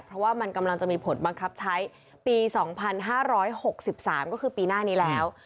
เพราะว่ามันกำลังจะมีผลบังคับใช้ปี๒๕๖๓ก็คือปีหน้านี้แล้ว